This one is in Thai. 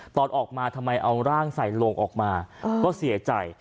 ตอนออกมาทำไมเอาร่างใส่โลงออกมาก็เสียใจ